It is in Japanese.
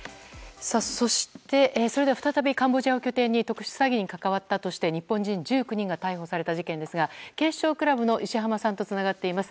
それでは再びカンボジアを拠点に特殊詐欺に関わったとして日本人１９人が逮捕された事件ですが警視庁クラブの石浜さんとつながっています。